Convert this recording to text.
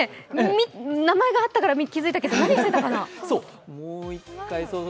名前があったから気付いたけど、何してたかな？